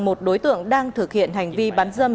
một đối tượng đang thực hiện hành vi bán dâm